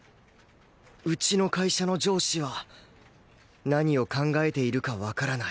うちの会社の上司は何を考えているかわからない